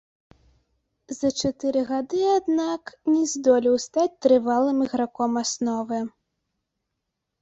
За чатыры гады, аднак, не здолеў стаць трывалым іграком асновы.